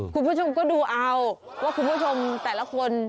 คุณผู้ชมก็ดูเอาว่าคุณผู้ชมแต่ละคน